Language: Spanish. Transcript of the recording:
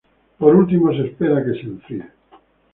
Por último se espera a que se enfríe.